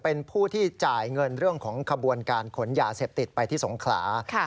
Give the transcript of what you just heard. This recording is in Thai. เป็นผู้ที่จ่ายเงินเรื่องของขบวนการขนยาเสพติดไปที่สงขลา